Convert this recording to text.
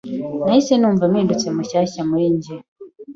Nahise numva mpindutse mushyashya muri njye.